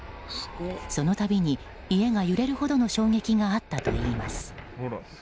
その度に家が揺れるほどの衝撃があったといいます。